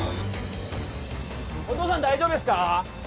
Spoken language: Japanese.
お父さん大丈夫ですか？